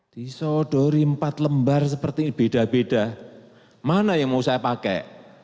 disodori empat lembar seperti ini beda beda mana yang mau saya pakai